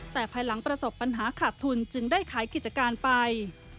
แต่ภายหลังประสบปัญหาขาดทุนจึงได้ขายกิจการไป